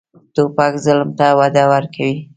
توپک ظلم ته وده ورکوي.